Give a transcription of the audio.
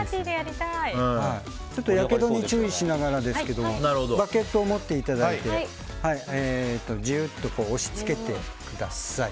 やけどに注意しながらですけどバゲットを持っていただいてジュッと押し付けてください。